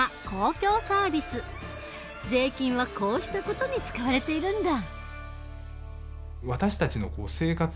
税金はこうした事に使われているんだ。